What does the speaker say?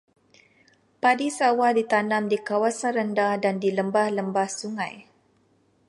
Padi sawah ditanam di kawasan rendah dan di lembah-lembah sungai.